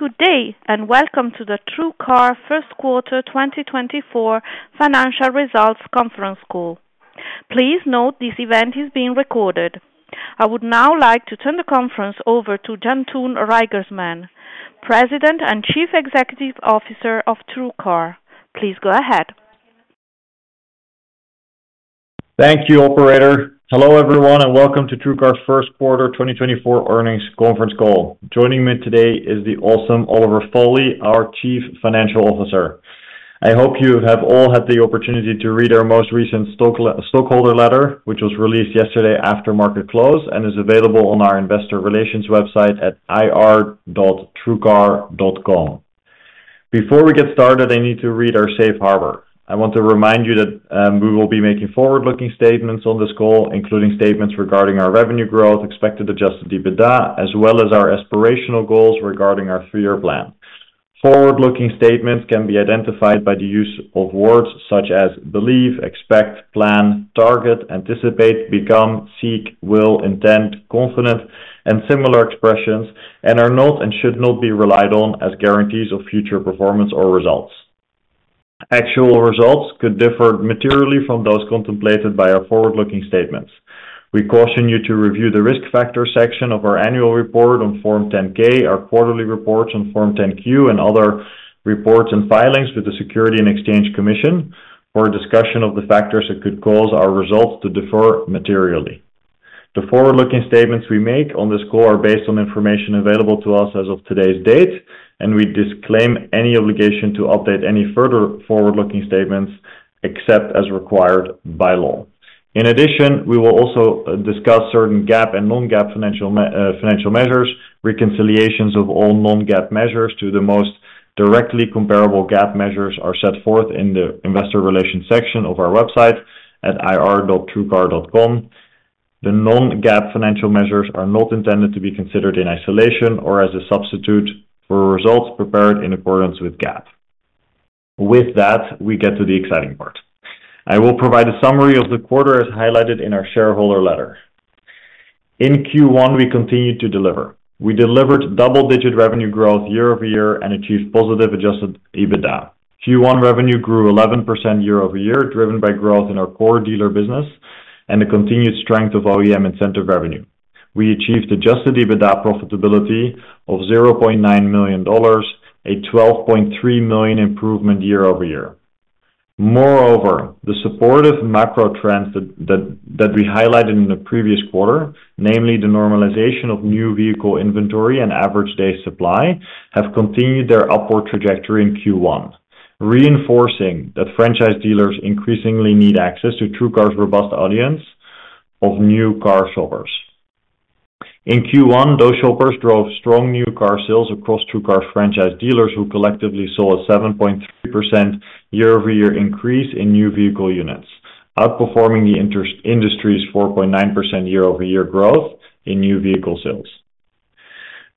Good day and welcome to the TrueCar First Quarter 2024 Financial Results Conference Call. Please note this event is being recorded. I would now like to turn the conference over to Jantoon Reigersman, President and Chief Executive Officer of TrueCar. Please go ahead. Thank you, Operator. Hello everyone and welcome to TrueCar's First Quarter 2024 Earnings Conference Call. Joining me today is the awesome Oliver Foley, our Chief Financial Officer. I hope you have all had the opportunity to read our most recent stockholder letter, which was released yesterday after market close and is available on our investor relations website at ir.truecar.com. Before we get started, I need to read our safe harbor. I want to remind you that we will be making forward-looking statements on this call, including statements regarding our revenue growth, expected Adjusted EBITDA, as well as our aspirational goals regarding our three-year plan. Forward-looking statements can be identified by the use of words such as believe, expect, plan, target, anticipate, become, seek, will, intend, confident, and similar expressions, and are not and should not be relied on as guarantees of future performance or results. Actual results could differ materially from those contemplated by our forward-looking statements. We caution you to review the risk factors section of our annual report on Form 10-K, our quarterly reports on Form 10-Q, and other reports and filings with the Securities and Exchange Commission for a discussion of the factors that could cause our results to differ materially. The forward-looking statements we make on this call are based on information available to us as of today's date, and we disclaim any obligation to update any further forward-looking statements except as required by law. In addition, we will also discuss certain GAAP and non-GAAP financial measures. Reconciliations of all non-GAAP measures to the most directly comparable GAAP measures are set forth in the investor relations section of our website at ir.truecar.com. The non-GAAP financial measures are not intended to be considered in isolation or as a substitute for results prepared in accordance with GAAP. With that, we get to the exciting part. I will provide a summary of the quarter as highlighted in our shareholder letter. In Q1, we continued to deliver. We delivered double-digit revenue growth year-over-year and achieved positive Adjusted EBITDA. Q1 revenue grew 11% year-over-year, driven by growth in our core dealer business and the continued strength of OEM incentive revenue. We achieved Adjusted EBITDA profitability of $0.9 million, a $12.3 million improvement year-over-year. Moreover, the supportive macro trends that we highlighted in the previous quarter, namely the normalization of new vehicle inventory and average day supply, have continued their upward trajectory in Q1, reinforcing that franchise dealers increasingly need access to TrueCar's robust audience of new car shoppers. In Q1, those shoppers drove strong new car sales across TrueCar's franchise dealers who collectively saw a 7.3% year-over-year increase in new vehicle units, outperforming the industry's 4.9% year-over-year growth in new vehicle sales.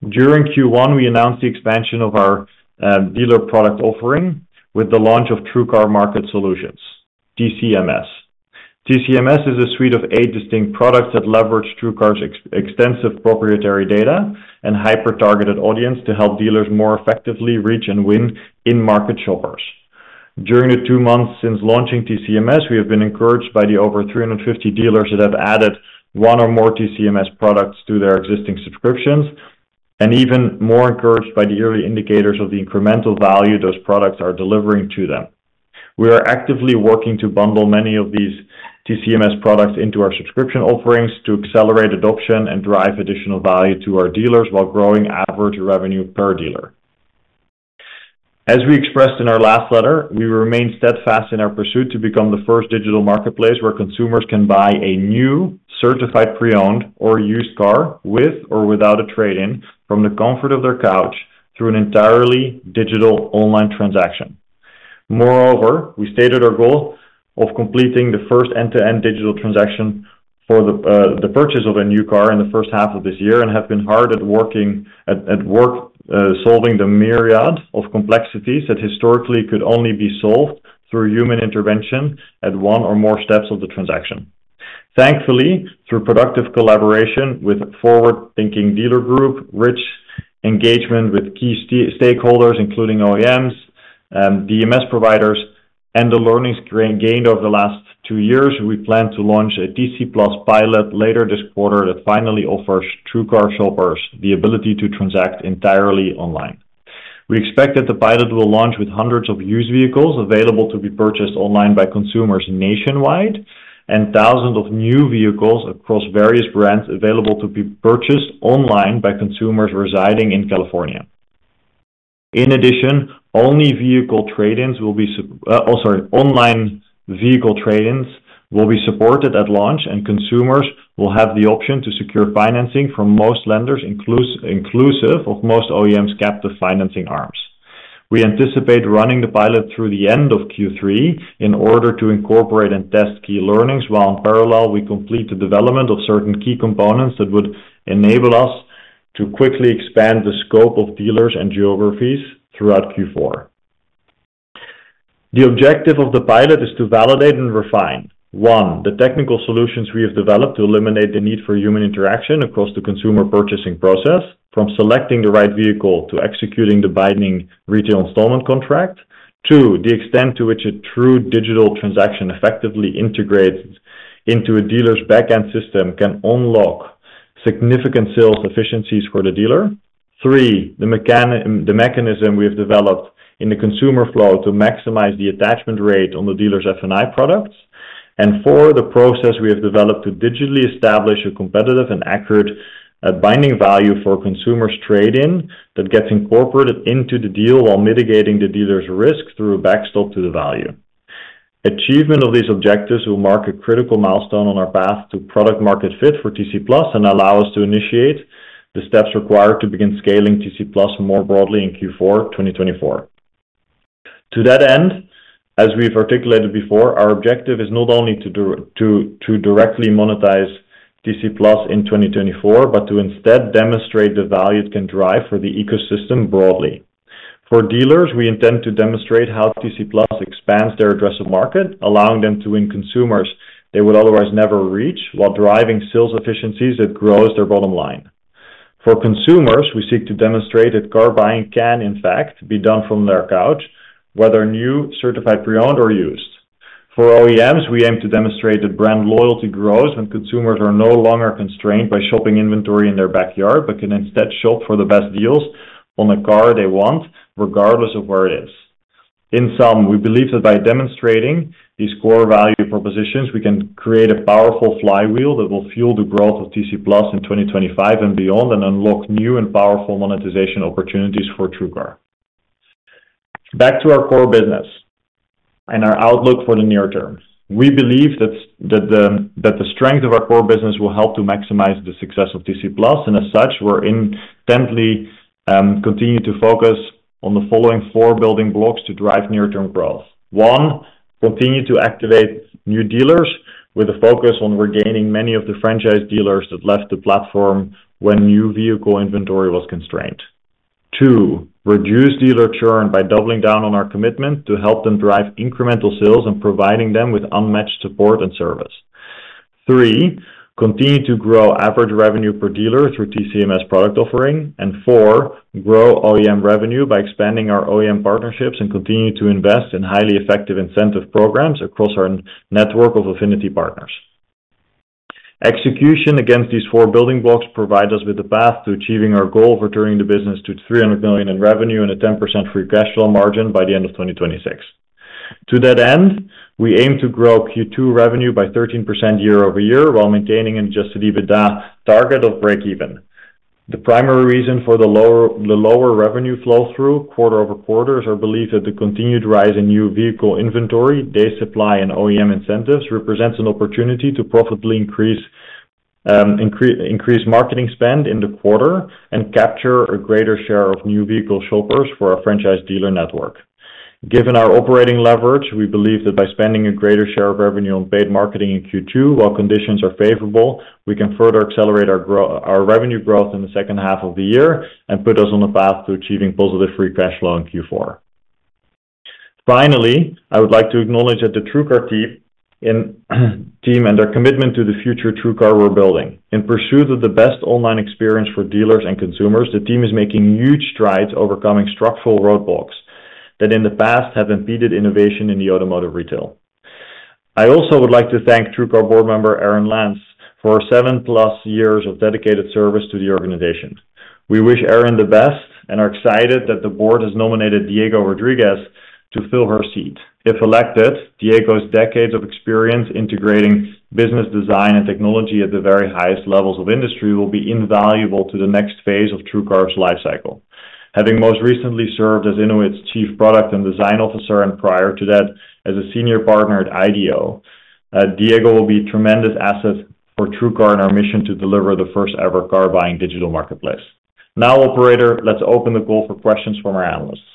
During Q1, we announced the expansion of our dealer product offering with the launch of TrueCar Marketing Solutions, TCMS. TCMS is a suite of eight distinct products that leverage TrueCar's extensive proprietary data and hyper-targeted audience to help dealers more effectively reach and win in-market shoppers. During the two months since launching TCMS, we have been encouraged by the over 350 dealers that have added one or more TCMS products to their existing subscriptions, and even more encouraged by the early indicators of the incremental value those products are delivering to them. We are actively working to bundle many of these TCMS products into our subscription offerings to accelerate adoption and drive additional value to our dealers while growing average revenue per dealer. As we expressed in our last letter, we remain steadfast in our pursuit to become the first digital marketplace where consumers can buy a new Certified Pre-Owned or used car with or without a trade-in from the comfort of their couch through an entirely digital online transaction. Moreover, we stated our goal of completing the first end-to-end digital transaction for the purchase of a new car in the first half of this year and have been hard at solving the myriad of complexities that historically could only be solved through human intervention at one or more steps of the transaction. Thankfully, through productive collaboration with Forward-thinking dealer group, rich engagement with key stakeholders, including OEMs, DMS providers, and the learnings gained over the last two years, we plan to launch a TC Plus pilot later this quarter that finally offers TrueCar shoppers the ability to transact entirely online. We expect that the pilot will launch with hundreds of used vehicles available to be purchased online by consumers nationwide and thousands of new vehicles across various brands available to be purchased online by consumers residing in California. In addition, only vehicle trade-ins will be supported at launch, and consumers will have the option to secure financing from most lenders, inclusive of most OEMs' captive financing arms. We anticipate running the pilot through the end of Q3 in order to incorporate and test key learnings while, in parallel, we complete the development of certain key components that would enable us to quickly expand the scope of dealers and geographies throughout Q4. The objective of the pilot is to validate and refine, one, the technical solutions we have developed to eliminate the need for human interaction across the consumer purchasing process, from selecting the right vehicle to executing the binding retail installment contract. Two, the extent to which a true digital transaction effectively integrates into a dealer's back-end system can unlock significant sales efficiencies for the dealer. Three, the mechanism we have developed in the consumer flow to maximize the attachment rate on the dealer's F&I products. And four, the process we have developed to digitally establish a competitive and accurate binding value for consumers' trade-in that gets incorporated into the deal while mitigating the dealer's risk through a backstop to the value. Achievement of these objectives will mark a critical milestone on our path to product-market fit for TC Plus and allow us to initiate the steps required to begin scaling TC Plus more broadly in Q4 2024. To that end, as we've articulated before, our objective is not only to directly monetize TC Plus in 2024, but to instead demonstrate the value it can drive for the ecosystem broadly. For dealers, we intend to demonstrate how TC Plus expands their address of market, allowing them to win consumers they would otherwise never reach while driving sales efficiencies that grows their bottom line. For consumers, we seek to demonstrate that car buying can, in fact, be done from their couch, whether new, Certified Pre-Owned, or used. For OEMs, we aim to demonstrate that brand loyalty grows when consumers are no longer constrained by shopping inventory in their backyard, but can instead shop for the best deals on a car they want, regardless of where it is. In sum, we believe that by demonstrating these core value propositions, we can create a powerful flywheel that will fuel the growth of TC Plus in 2025 and beyond and unlock new and powerful monetization opportunities for TrueCar. Back to our core business and our outlook for the near term. We believe that the strength of our core business will help to maximize the success of TC Plus, and as such, we're intently continuing to focus on the following four building blocks to drive near-term growth. 1, continue to activate new dealers with a focus on regaining many of the franchise dealers that left the platform when new vehicle inventory was constrained. 2, reduce dealer churn by doubling down on our commitment to help them drive incremental sales and providing them with unmatched support and service. 3, continue to grow average revenue per dealer through TCMS product offering. And 4, grow OEM revenue by expanding our OEM partnerships and continuing to invest in highly effective incentive programs across our network of affinity partners. Execution against these four building blocks provides us with the path to achieving our goal of returning the business to $300 million in revenue and a 10% free cash flow margin by the end of 2026. To that end, we aim to grow Q2 revenue by 13% year-over-year while maintaining an Adjusted EBITDA target of break-even. The primary reason for the lower revenue flow-through quarter-over-quarter is our belief that the continued rise in new vehicle inventory, day supply, and OEM incentives represents an opportunity to profitably increase marketing spend in the quarter and capture a greater share of new vehicle shoppers for our franchise dealer network. Given our operating leverage, we believe that by spending a greater share of revenue on paid marketing in Q2 while conditions are favorable, we can further accelerate our revenue growth in the second half of the year and put us on the path to achieving positive free cash flow in Q4. Finally, I would like to acknowledge that the TrueCar team and their commitment to the future TrueCar we're building. In pursuit of the best online experience for dealers and consumers, the team is making huge strides overcoming structural roadblocks that in the past have impeded innovation in the automotive retail. I also would like to thank TrueCar board member Erin Lantz for her seven years plus of dedicated service to the organization. We wish Aaron the best and are excited that the board has nominated Diego Rodriguez to fill her seat. If elected, Diego's decades of experience integrating business design and technology at the very highest levels of industry will be invaluable to the next phase of TrueCar's lifecycle. Having most recently served as Intuit's Chief Product and Design Officer and prior to that as a Senior Partner at IDEO, Diego will be a tremendous asset for TrueCar in our mission to deliver the first-ever car-buying digital marketplace. Now, operator, let's open the call for questions from our analysts.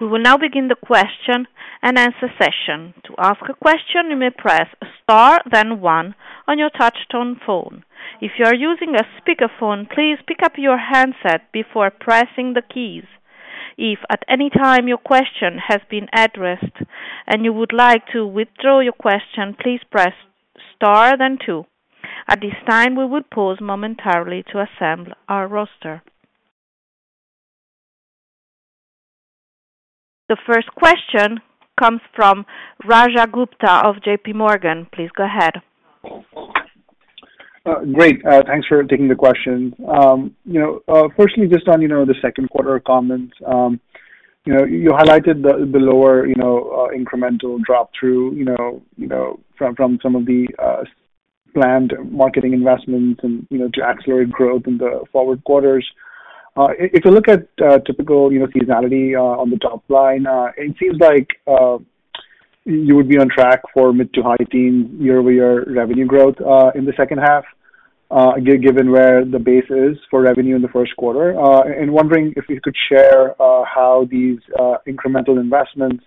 We will now begin the question and answer session. To ask a question, you may press a star, then one, on your touch-tone phone. If you are using a speakerphone, please pick up your handset before pressing the keys. If at any time your question has been addressed and you would like to withdraw your question, please press star, then two. At this time, we will pause momentarily to assemble our roster. The first question comes from Rajat Gupta of JPMorgan. Please go ahead. Great. Thanks for taking the question. Firstly, just on the second quarter comments, you highlighted the lower incremental drop-through from some of the planned marketing investments to accelerate growth in the forward quarters. If you look at typical seasonality on the top line, it seems like you would be on track for mid- to high-teens year-over-year revenue growth in the second half, given where the base is for revenue in the first quarter. Wondering if you could share how these incremental investments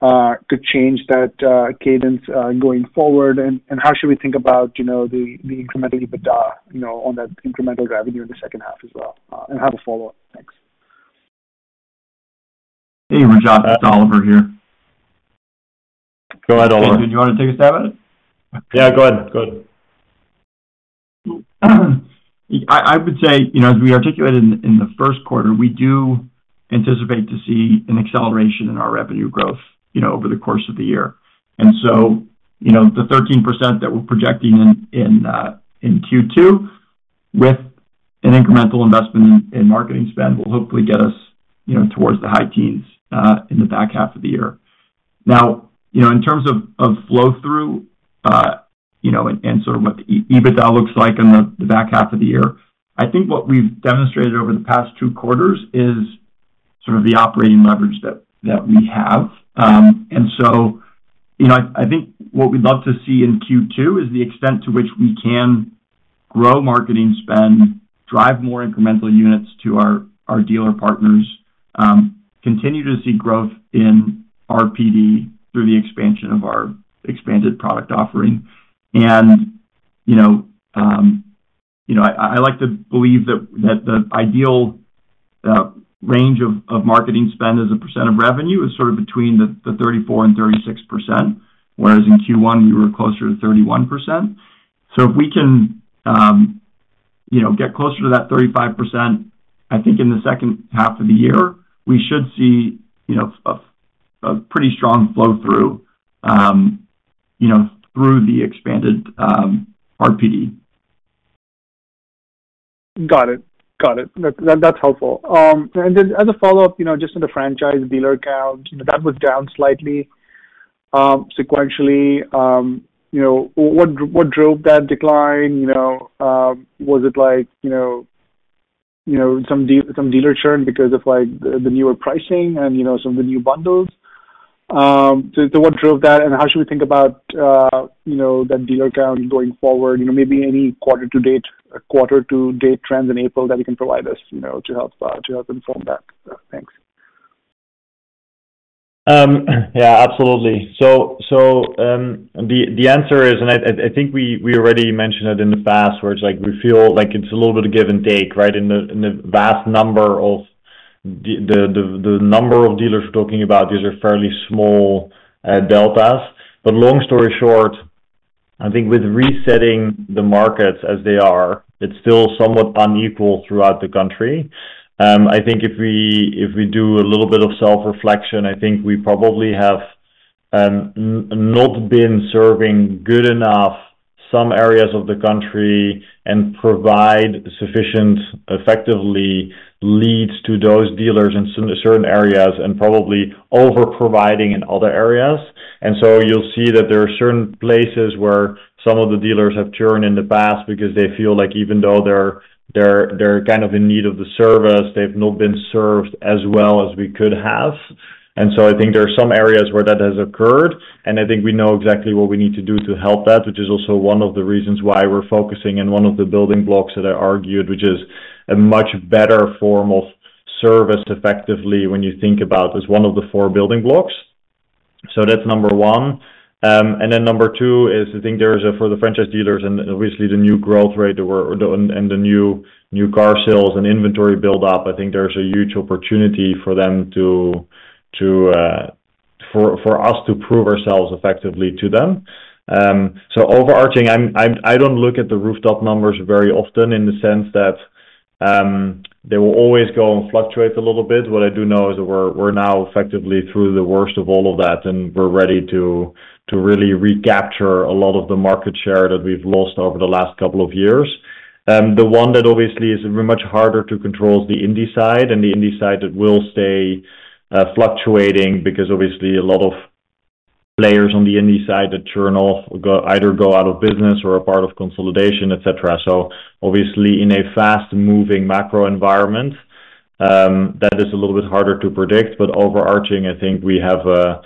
could change that cadence going forward, and how should we think about the incremental EBITDA on that incremental revenue in the second half as well? I have a follow-up. Thanks. Hey, Rajat. It's Oliver here. Go ahead, Oliver. Do you want to take a stab at it? Yeah, go ahead. Go ahead. I would say, as we articulated in the first quarter, we do anticipate to see an acceleration in our revenue growth over the course of the year. And so the 13% that we're projecting in Q2 with an incremental investment in marketing spend will hopefully get us towards the high teens in the back half of the year. Now, in terms of flow-through and sort of what the EBITDA looks like on the back half of the year, I think what we've demonstrated over the past two quarters is sort of the operating leverage that we have. And so I think what we'd love to see in Q2 is the extent to which we can grow marketing spend, drive more incremental units to our dealer partners, continue to see growth in RPD through the expansion of our expanded product offering. I like to believe that the ideal range of marketing spend as a percent of revenue is sort of between 34% and 36%, whereas in Q1, we were closer to 31%. So if we can get closer to that 35%, I think in the second half of the year, we should see a pretty strong flow-through through the expanded RPD. Got it. Got it. That's helpful. As a follow-up, just in the franchise dealer count, that was down slightly sequentially. What drove that decline? Was it some dealer churn because of the newer pricing and some of the new bundles? What drove that, and how should we think about that dealer count going forward? Maybe any quarter-to-date trends in April that you can provide us to help inform that. Thanks. Yeah, absolutely. So the answer is, and I think we already mentioned it in the past, where it's like we feel like it's a little bit of give and take, right? In the vast number of the number of dealers we're talking about, these are fairly small deltas. But long story short, I think with resetting the markets as they are, it's still somewhat unequal throughout the country. I think if we do a little bit of self-reflection, I think we probably have not been serving good enough some areas of the country and provide sufficient, effectively, leads to those dealers in certain areas and probably overproviding in other areas. You'll see that there are certain places where some of the dealers have churned in the past because they feel like even though they're kind of in need of the service, they've not been served as well as we could have. So I think there are some areas where that has occurred. And I think we know exactly what we need to do to help that, which is also one of the reasons why we're focusing and one of the building blocks that I argued, which is a much better form of service, effectively, when you think about as one of the four building blocks. So that's number one. And then number two is, I think there is a for the franchise dealers and obviously the new growth rate and the new car sales and inventory buildup. I think there's a huge opportunity for us to prove ourselves effectively to them. So overarching, I don't look at the rooftop numbers very often in the sense that they will always go and fluctuate a little bit. What I do know is that we're now effectively through the worst of all of that, and we're ready to really recapture a lot of the market share that we've lost over the last couple of years. The one that obviously is much harder to control is the indie side, and the indie side that will stay fluctuating because obviously a lot of players on the indie side that churn off either go out of business or are part of consolidation, etc. Obviously, in a fast-moving macro environment, that is a little bit harder to predict. But overarching, I think we have a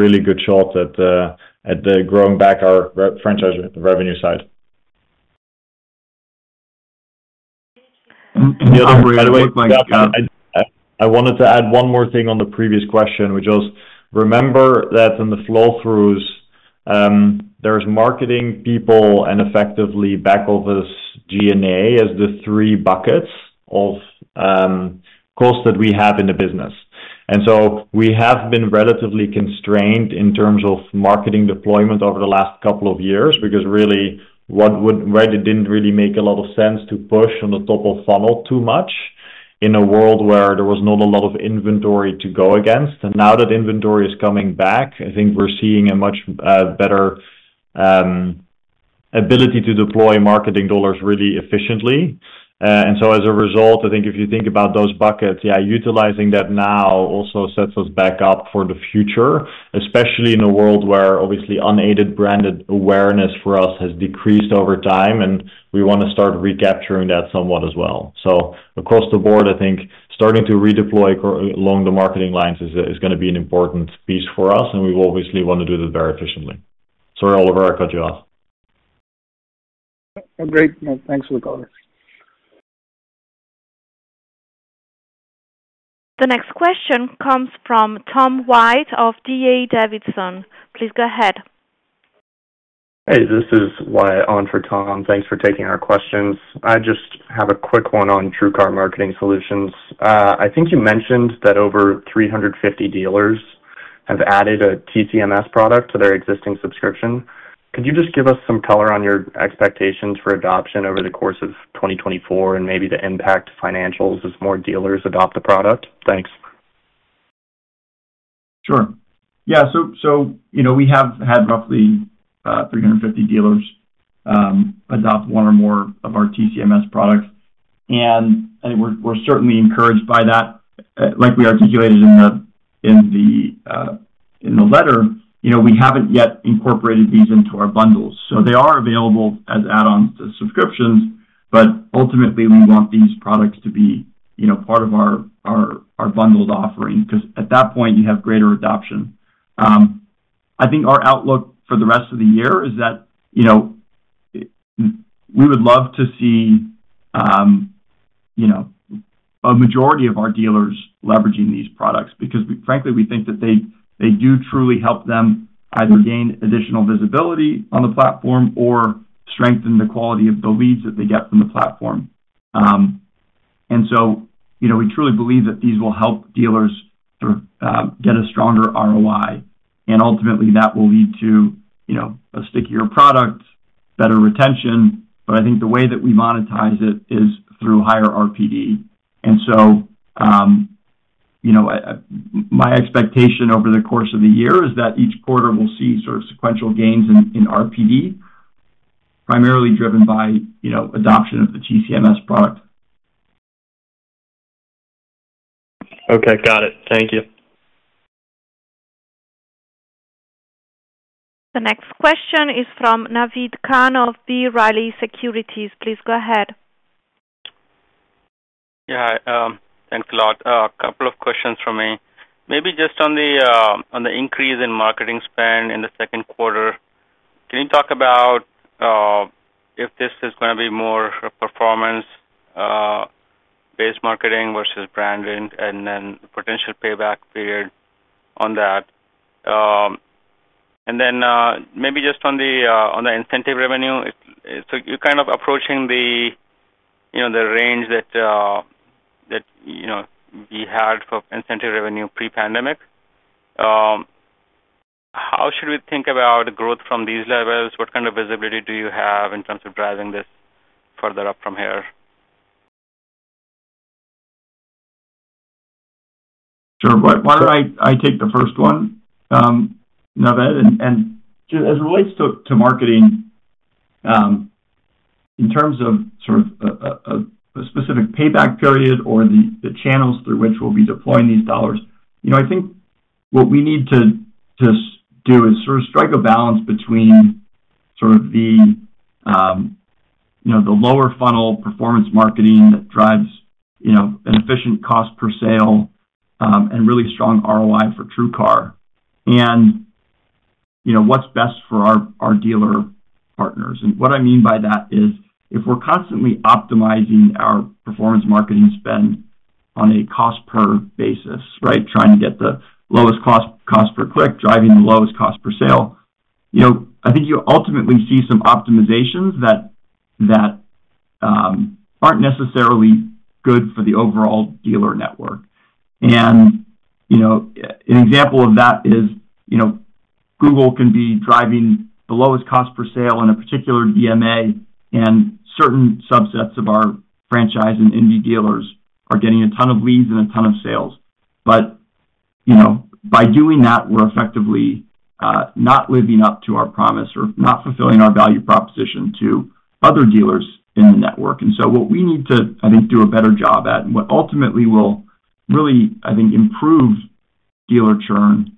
really good shot at growing back our franchise revenue side. The other way back up. I wanted to add one more thing on the previous question, which was, remember that in the flow-throughs, there's marketing, people and effectively back-office G&A as the three buckets of cost that we have in the business. And so we have been relatively constrained in terms of marketing deployment over the last couple of years because really where it didn't really make a lot of sense to push on the top of funnel too much in a world where there was not a lot of inventory to go against. And now that inventory is coming back, I think we're seeing a much better ability to deploy marketing dollars really efficiently. And so as a result, I think if you think about those buckets, yeah, utilizing that now also sets us back up for the future, especially in a world where obviously unaided branded awareness for us has decreased over time, and we want to start recapturing that somewhat as well. So across the board, I think starting to redeploy along the marketing lines is going to be an important piece for us, and we will obviously want to do that very efficiently. Sorry, Oliver, I cut you off. Great. Thanks for the call. The next question comes from Tom White of DA Davidson. Please go ahead. Hey, this is Wyatt on for Tom. Thanks for taking our questions. I just have a quick one on TrueCar Marketing Solutions. I think you mentioned that over 350 dealers have added a TCMS product to their existing subscription. Could you just give us some color on your expectations for adoption over the course of 2024 and maybe the impact financials as more dealers adopt the product? Thanks. Sure. Yeah. So we have had roughly 350 dealers adopt one or more of our TCMS products. And I think we're certainly encouraged by that. Like we articulated in the letter, we haven't yet incorporated these into our bundles. So they are available as add-ons to subscriptions, but ultimately, we want these products to be part of our bundled offering because at that point, you have greater adoption. I think our outlook for the rest of the year is that we would love to see a majority of our dealers leveraging these products because, frankly, we think that they do truly help them either gain additional visibility on the platform or strengthen the quality of the leads that they get from the platform. And so we truly believe that these will help dealers sort of get a stronger ROI. And ultimately, that will lead to a stickier product, better retention. But I think the way that we monetize it is through higher RPD. So my expectation over the course of the year is that each quarter we'll see sort of sequential gains in RPD, primarily driven by adoption of the TCMS product. Okay. Got it. Thank you. The next question is from Naved Khan of B. Riley Securities. Please go ahead. Yeah. Hi. Thanks a lot. A couple of questions from me. Maybe just on the increase in marketing spend in the second quarter, can you talk about if this is going to be more performance-based marketing versus branding and then potential payback period on that? And then maybe just on the incentive revenue, so you're kind of approaching the range that we had for incentive revenue pre-pandemic. How should we think about growth from these levels? What kind of visibility do you have in terms of driving this further up from here? Sure. Why don't I take the first one, Navid? As it relates to marketing, in terms of sort of a specific payback period or the channels through which we'll be deploying these dollars, I think what we need to do is sort of strike a balance between sort of the lower funnel performance marketing that drives an efficient cost per sale and really strong ROI for TrueCar and what's best for our dealer partners. And what I mean by that is if we're constantly optimizing our performance marketing spend on a cost-per-basis, right, trying to get the lowest cost per click, driving the lowest cost per sale, I think you ultimately see some optimizations that aren't necessarily good for the overall dealer network. An example of that is Google can be driving the lowest cost per sale in a particular DMA, and certain subsets of our franchise and indie dealers are getting a ton of leads and a ton of sales. But by doing that, we're effectively not living up to our promise or not fulfilling our value proposition to other dealers in the network. So what we need to, I think, do a better job at and what ultimately will really, I think, improve dealer churn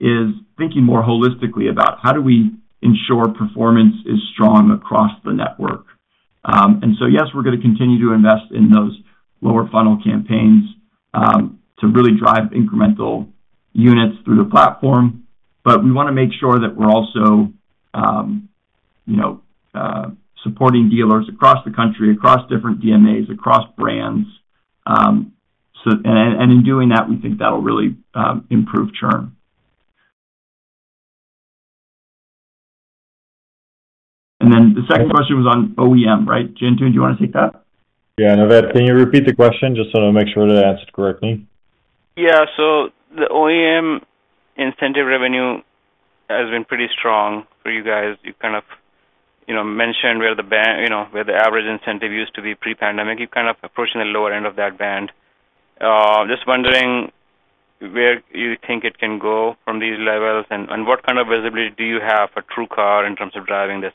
is thinking more holistically about how do we ensure performance is strong across the network. So yes, we're going to continue to invest in those lower funnel campaigns to really drive incremental units through the platform. But we want to make sure that we're also supporting dealers across the country, across different DMAs, across brands. In doing that, we think that'll really improve churn. Then the second question was on OEM, right? Jantoon, do you want to take that? Yeah. Navid, can you repeat the question? Just want to make sure that I answered correctly. Yeah. So the OEM incentive revenue has been pretty strong for you guys. You kind of mentioned where the average incentive used to be pre-pandemic. You're kind of approaching the lower end of that band. Just wondering where you think it can go from these levels and what kind of visibility do you have for TrueCar in terms of driving this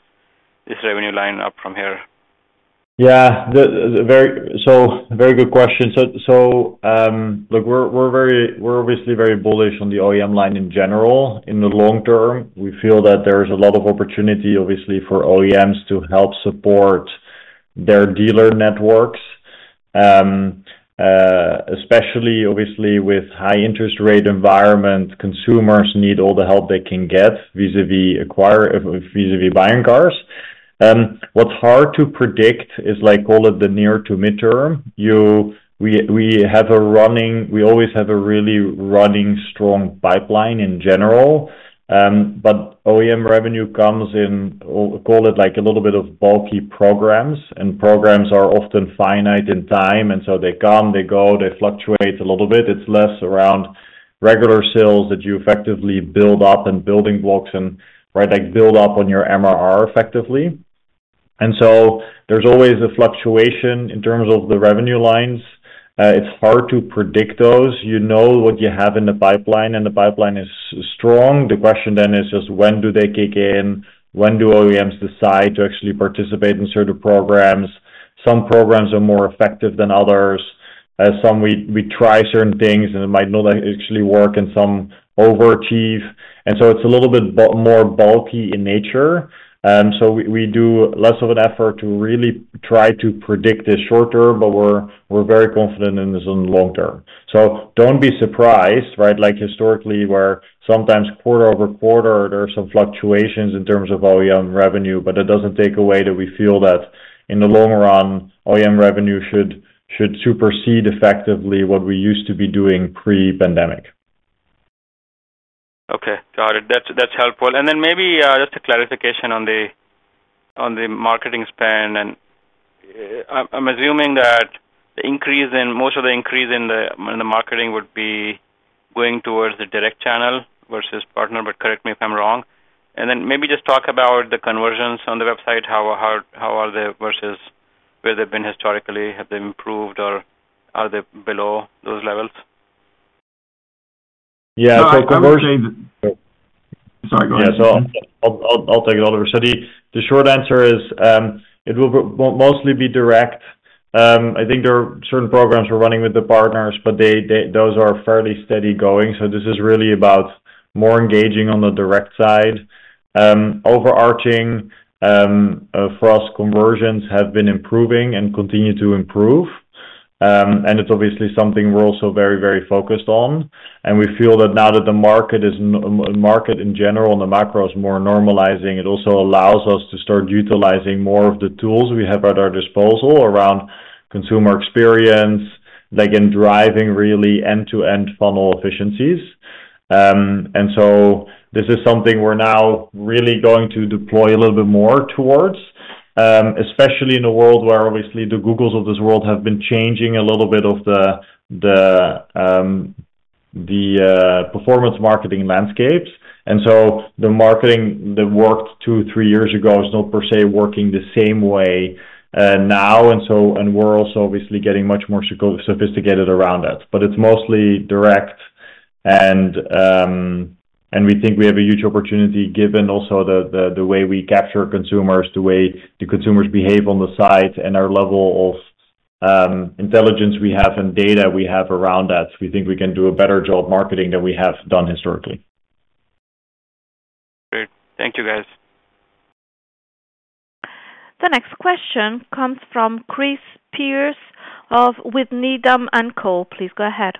revenue line up from here? Yeah. So very good question. So look, we're obviously very bullish on the OEM line in general. In the long term, we feel that there is a lot of opportunity, obviously, for OEMs to help support their dealer networks, especially, obviously, with high-interest rate environments. Consumers need all the help they can get vis-à-vis buying cars. What's hard to predict is, call it the near to mid-term. We always have a really running strong pipeline in general. But OEM revenue comes in, call it a little bit of bulky programs. And programs are often finite in time. And so they come, they go, they fluctuate a little bit. It's less around regular sales that you effectively build up and building blocks and build up on your MRR, effectively. And so there's always a fluctuation in terms of the revenue lines. It's hard to predict those. You know what you have in the pipeline, and the pipeline is strong. The question then is just when do they kick in? When do OEMs decide to actually participate in certain programs? Some programs are more effective than others. We try certain things, and it might not actually work, and some overachieve. And so it's a little bit more bulky in nature. So we do less of an effort to really try to predict this short term, but we're very confident in this in the long term. So don't be surprised, right, historically, where sometimes quarter-over-quarter, there are some fluctuations in terms of OEM revenue, but it doesn't take away that we feel that in the long run, OEM revenue should supersede effectively what we used to be doing pre-pandemic. Okay. Got it. That's helpful. Then maybe just a clarification on the marketing spend. I'm assuming that most of the increase in the marketing would be going towards the direct channel versus partner, but correct me if I'm wrong. Then maybe just talk about the conversions on the website. How are they versus where they've been historically? Have they improved, or are they below those levels? Yeah. So conversions. I would say. Sorry. Go ahead. Yeah. So I'll take it over. So the short answer is it will mostly be direct. I think there are certain programs we're running with the partners, but those are fairly steady going. So this is really about more engaging on the direct side. Overarching, for us, conversions have been improving and continue to improve. And it's obviously something we're also very, very focused on. And we feel that now that the market in general, the macro is more normalizing, it also allows us to start utilizing more of the tools we have at our disposal around consumer experience in driving really end-to-end funnel efficiencies. And so this is something we're now really going to deploy a little bit more towards, especially in a world where, obviously, the Googles of this world have been changing a little bit of the performance marketing landscapes. And so the marketing that worked two, three years ago is not per se working the same way now. And we're also obviously getting much more sophisticated around that. But it's mostly direct. And we think we have a huge opportunity given also the way we capture consumers, the way the consumers behave on the site, and our level of intelligence we have and data we have around that. We think we can do a better job marketing than we have done historically. Great. Thank you, guys. The next question comes from Chris Pierce with Needham & Company. Please go ahead.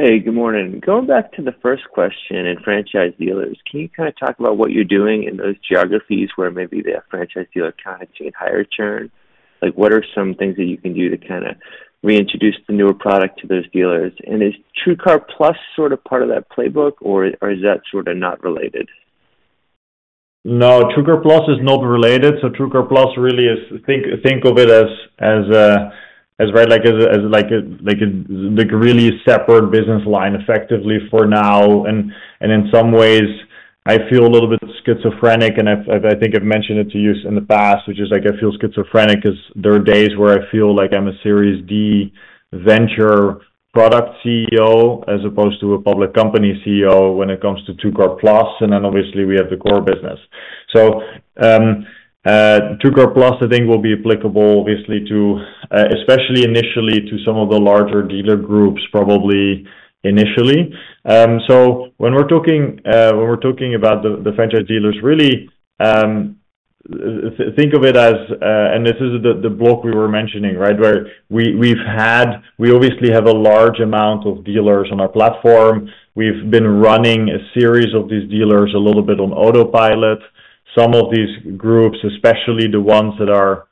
Hey. Good morning. Going back to the first question in franchise dealers, can you kind of talk about what you're doing in those geographies where maybe the franchise dealer kind of gained higher churn? What are some things that you can do to kind of reintroduce the newer product to those dealers? And is TrueCar Plus sort of part of that playbook, or is that sort of not related? No. TrueCar Plus is not related. So TrueCar Plus really is think of it as, right, as a really separate business line, effectively, for now. And in some ways, I feel a little bit schizophrenic, and I think I've mentioned it to you in the past, which is I feel schizophrenic because there are days where I feel like I'm a Series D venture product CEO as opposed to a public company CEO when it comes to TrueCar Plus. And then, obviously, we have the core business. So TrueCar Plus, I think, will be applicable, obviously, especially initially to some of the larger dealer groups, probably initially. So when we're talking about the franchise dealers, really, think of it as and this is the block we were mentioning, right, where we obviously have a large amount of dealers on our platform. We've been running a series of these dealers a little bit on autopilot. Some of these groups, especially the ones that are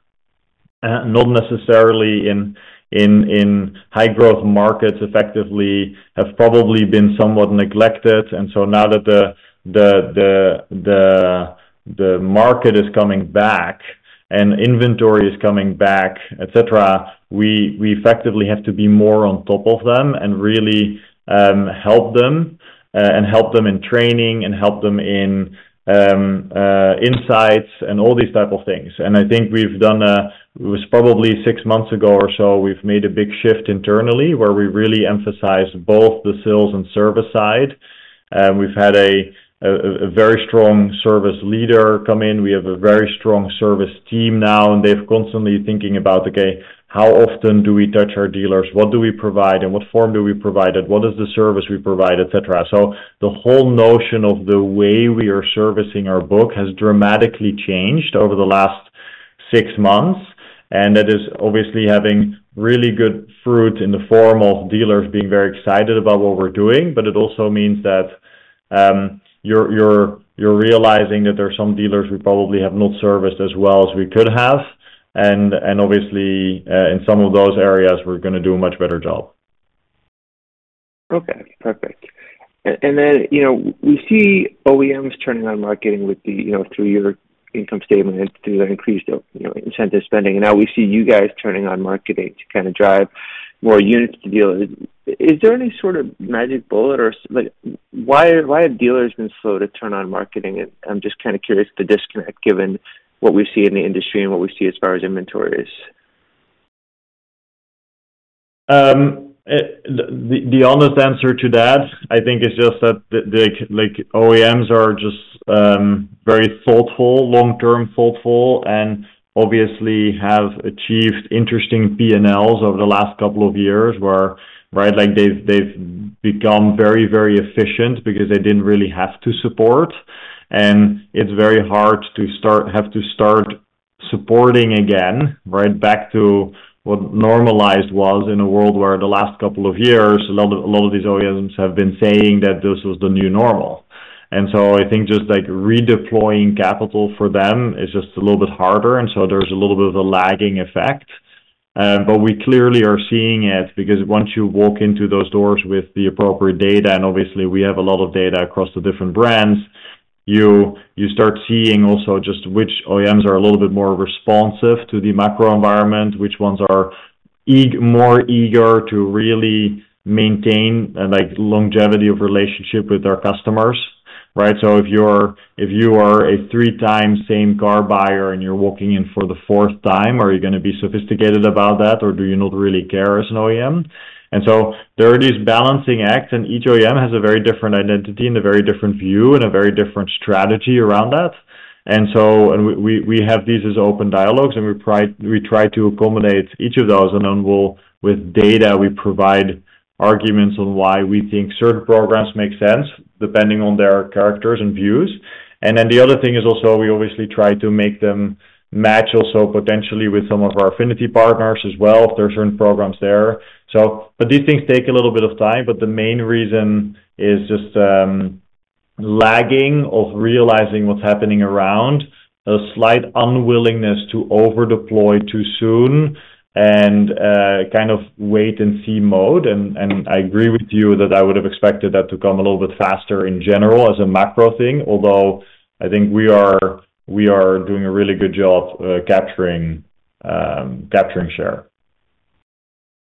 not necessarily in high-growth markets, effectively, have probably been somewhat neglected. And so now that the market is coming back and inventory is coming back, etc., we effectively have to be more on top of them and really help them and help them in training and help them in insights and all these types of things. And I think we've done. It was probably six months ago or so, we've made a big shift internally where we really emphasize both the sales and service side. We've had a very strong service leader come in. We have a very strong service team now, and they're constantly thinking about, "Okay, how often do we touch our dealers? What do we provide, and what form do we provide it? What is the service we provide, etc.?" So the whole notion of the way we are servicing our book has dramatically changed over the last six months. And that is obviously having really good fruit in the form of dealers being very excited about what we're doing. But it also means that you're realizing that there are some dealers we probably have not serviced as well as we could have. And obviously, in some of those areas, we're going to do a much better job. Okay. Perfect. And then we see OEMs turning on marketing through your income statement and through their increased incentive spending. And now we see you guys turning on marketing to kind of drive more units to dealers. Is there any sort of magic bullet, or why have dealers been slow to turn on marketing? And I'm just kind of curious the disconnect given what we see in the industry and what we see as far as inventory is. The honest answer to that, I think, is just that OEMs are just very thoughtful, long-term thoughtful, and obviously have achieved interesting P&Ls over the last couple of years where, right, they've become very, very efficient because they didn't really have to support. It's very hard to have to start supporting again, right, back to what normalized was in a world where the last couple of years, a lot of these OEMs have been saying that this was the new normal. So I think just redeploying capital for them is just a little bit harder. So there's a little bit of a lagging effect. But we clearly are seeing it because once you walk into those doors with the appropriate data and obviously, we have a lot of data across the different brands, you start seeing also just which OEMs are a little bit more responsive to the macro environment, which ones are more eager to really maintain longevity of relationship with their customers, right? So if you are a three-time same-car buyer and you're walking in for the fourth time, are you going to be sophisticated about that, or do you not really care as an OEM? And so there are these balancing acts, and each OEM has a very different identity and a very different view and a very different strategy around that. And we have these as open dialogues, and we try to accommodate each of those. And then with data, we provide arguments on why we think certain programs make sense depending on their characteristics and views. And then the other thing is also we obviously try to make them match also potentially with some of our affinity partners as well if there are certain programs there. But these things take a little bit of time. But the main reason is just lagging of realizing what's happening around a slight unwillingness to overdeploy too soon and kind of wait-and-see mode. And I agree with you that I would have expected that to come a little bit faster in general as a macro thing, although I think we are doing a really good job capturing share.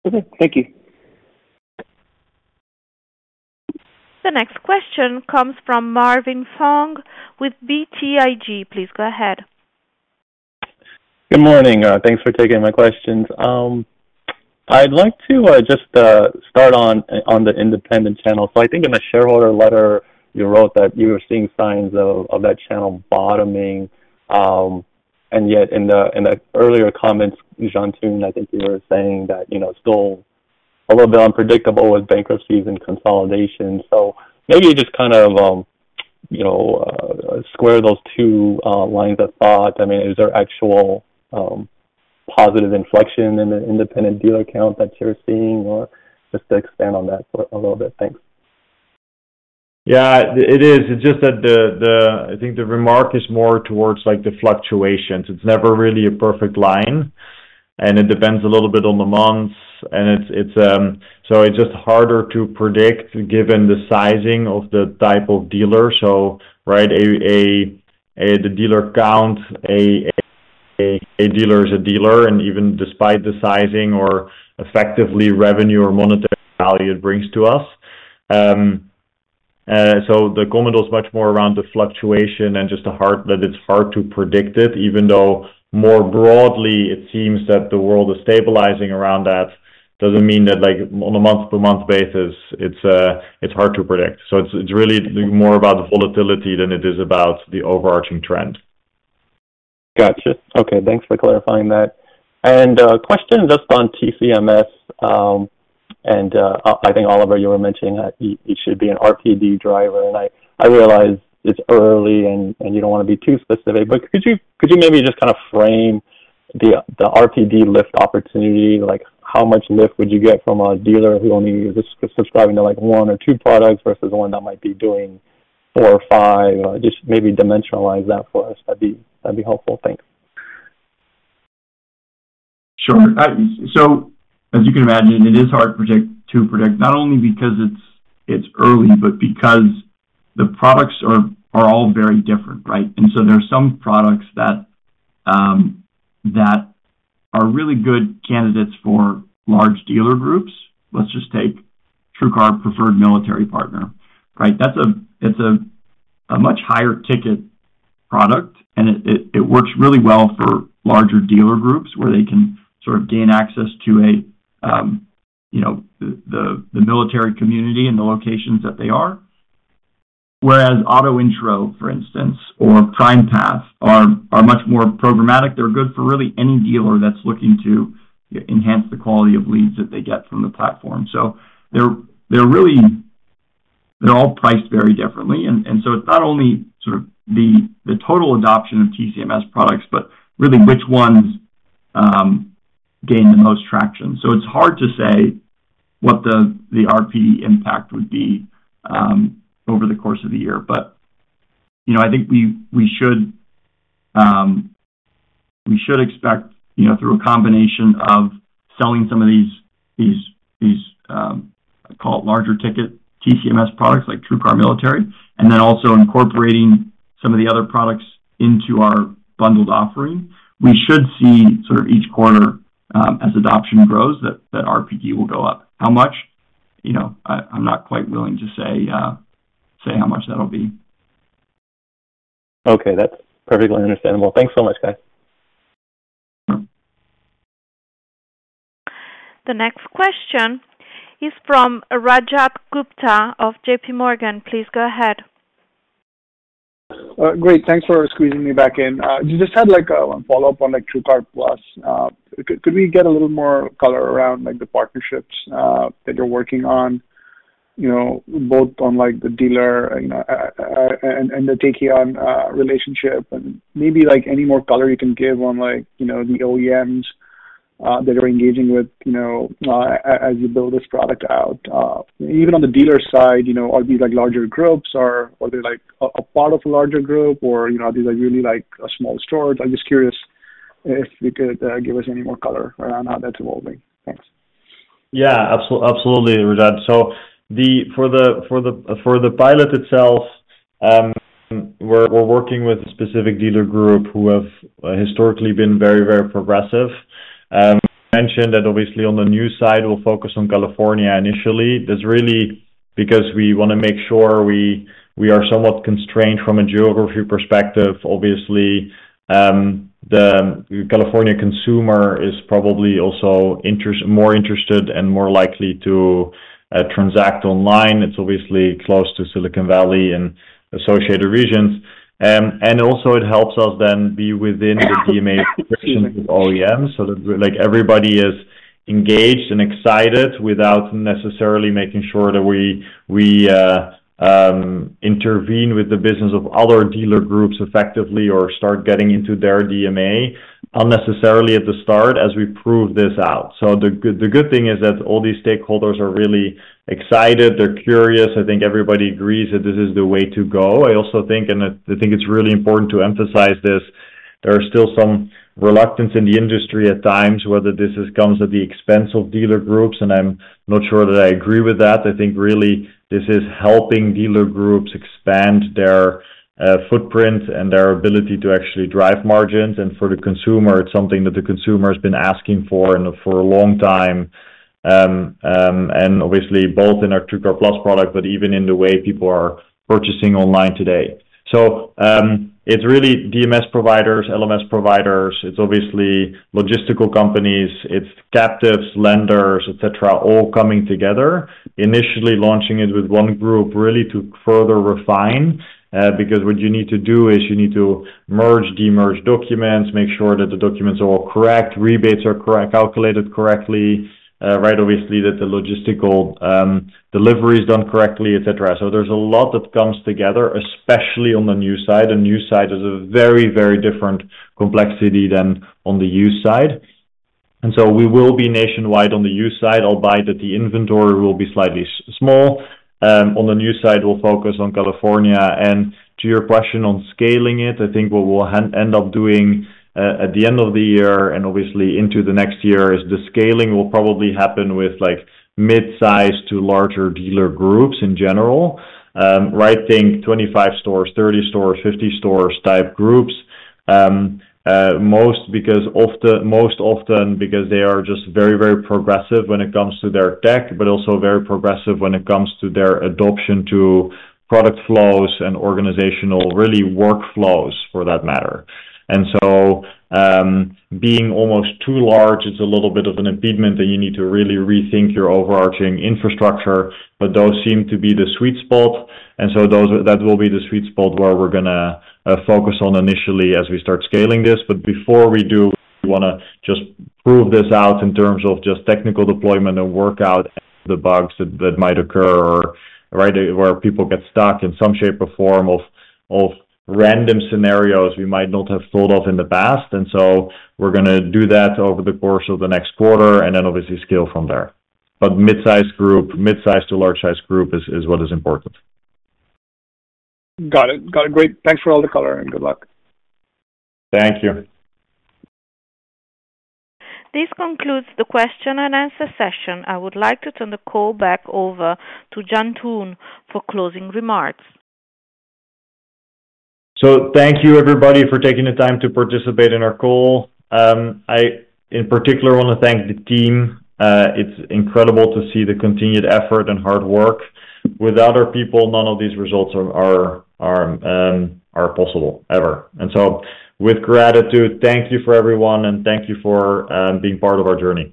Okay. Thank you. The next question comes from Marvin Phong with BTIG. Please go ahead. Good morning. Thanks for taking my questions. I'd like to just start on the independent channel. So I think in the shareholder letter, you wrote that you were seeing signs of that channel bottoming. And yet in the earlier comments, Jantoon, I think you were saying that it's still a little bit unpredictable with bankruptcies and consolidation. So maybe just kind of square those two lines of thought. I mean, is there actual positive inflection in the independent dealer count that you're seeing, or just to expand on that a little bit? Thanks. Yeah. It is. It's just that I think the remark is more towards the fluctuations. It's never really a perfect line, and it depends a little bit on the months. And so it's just harder to predict given the sizing of the type of dealer. So, right, the dealer count, a dealer is a dealer, and even despite the sizing or effectively revenue or monetary value it brings to us. So the comment was much more around the fluctuation and just that it's hard to predict it, even though more broadly, it seems that the world is stabilizing around that. Doesn't mean that on a month-by-month basis, it's hard to predict. So it's really more about the volatility than it is about the overarching trend. Gotcha. Okay. Thanks for clarifying that. And question just on TCMS. And I think, Oliver, you were mentioning it should be an RPD driver. And I realize it's early, and you don't want to be too specific. But could you maybe just kind of frame the RPD lift opportunity? How much lift would you get from a dealer who only is subscribing to one or two products versus one that might be doing four or five? Just maybe dimensionalize that for us. That'd be helpful. Thanks. Sure. So as you can imagine, it is hard to predict not only because it's early, but because the products are all very different, right? And so there are some products that are really good candidates for large dealer groups. Let's just take TrueCar Preferred Military Partner, right? That's a much higher-ticket product, and it works really well for larger dealer groups where they can sort of gain access to the military community and the locations that they are. Whereas Auto Intro, for instance, or PrimePath are much more programmatic. They're good for really any dealer that's looking to enhance the quality of leads that they get from the platform. So they're all priced very differently. And so it's not only sort of the total adoption of TCMS products, but really which ones gain the most traction. So it's hard to say what the RPD impact would be over the course of the year. But I think we should expect through a combination of selling some of these, I call it, larger-ticket TCMS products like TrueCar Military and then also incorporating some of the other products into our bundled offering, we should see sort of each quarter, as adoption grows, that RPD will go up. How much? I'm not quite willing to say how much that'll be. Okay. That's perfectly understandable. Thanks so much, guys. The next question is from Rajat Gupta of JPMorgan. Please go ahead. Great. Thanks for squeezing me back in. Just had one follow-up on TrueCar Plus. Could we get a little more color around the partnerships that you're working on, both on the dealer and the take-home relationship? And maybe any more color you can give on the OEMs that you're engaging with as you build this product out. Even on the dealer side, are these larger groups, or are they a part of a larger group, or are these really small stores? I'm just curious if you could give us any more color around how that's evolving. Thanks. Yeah. Absolutely, Rajat. So for the pilot itself, we're working with a specific dealer group who have historically been very, very progressive. You mentioned that, obviously, on the new side, we'll focus on California initially. That's really because we want to make sure we are somewhat constrained from a geography perspective. Obviously, the California consumer is probably also more interested and more likely to transact online. It's obviously close to Silicon Valley and associated regions. And also, it helps us then be within the DMA restrictions of OEMs so that everybody is engaged and excited without necessarily making sure that we intervene with the business of other dealer groups effectively or start getting into their DMA unnecessarily at the start as we prove this out. So the good thing is that all these stakeholders are really excited. They're curious. I think everybody agrees that this is the way to go. I also think, and I think it's really important to emphasize this, there are still some reluctance in the industry at times whether this comes at the expense of dealer groups. I'm not sure that I agree with that. I think really, this is helping dealer groups expand their footprint and their ability to actually drive margins. For the consumer, it's something that the consumer has been asking for for a long time, and obviously, both in our TrueCar Plus product, but even in the way people are purchasing online today. So it's really DMS providers, LMS providers. It's obviously logistical companies. It's captives, lenders, etc., all coming together, initially launching it with one group really to further refine because what you need to do is you need to merge, demerge documents, make sure that the documents are all correct, rebates are calculated correctly, right, obviously, that the logistical delivery is done correctly, etc. So there's a lot that comes together, especially on the new side. The new side is a very, very different complexity than on the used side. And so we will be nationwide on the used side, albeit that the inventory will be slightly small. On the new side, we'll focus on California. And to your question on scaling it, I think what we'll end up doing at the end of the year and obviously into the next year is the scaling will probably happen with midsize to larger dealer groups in general, right? Think 25 stores, 30 stores, 50 stores type groups, most often because they are just very, very progressive when it comes to their tech, but also very progressive when it comes to their adoption to product flows and organizational, really, workflows for that matter. And so being almost too large, it's a little bit of an impediment, and you need to really rethink your overarching infrastructure. But those seem to be the sweet spot. And so that will be the sweet spot where we're going to focus on initially as we start scaling this. But before we do, we want to just prove this out in terms of just technical deployment and work out the bugs that might occur, right, where people get stuck in some shape or form of random scenarios we might not have thought of in the past. We're going to do that over the course of the next quarter and then obviously scale from there. Midsize group, midsize to large-size group is what is important. Got it. Got it. Great. Thanks for all the color, and good luck. Thank you. This concludes the question-and-answer session. I would like to turn the call back over to Jantoon for closing remarks. So thank you, everybody, for taking the time to participate in our call. I, in particular, want to thank the team. It's incredible to see the continued effort and hard work. Without our people, none of these results are possible ever. And so with gratitude, thank you for everyone, and thank you for being part of our journey.